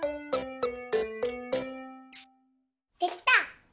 できた！